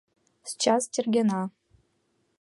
Счас тергена!